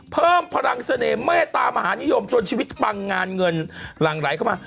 เพิ่มพลังเสน่ห์เมตตามหานิยมจนชีวิตปังงานเงินหลั่งไหลเข้ามา